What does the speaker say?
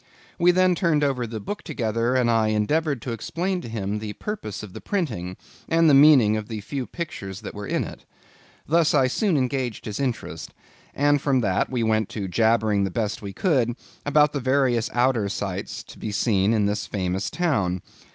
We then turned over the book together, and I endeavored to explain to him the purpose of the printing, and the meaning of the few pictures that were in it. Thus I soon engaged his interest; and from that we went to jabbering the best we could about the various outer sights to be seen in this famous town.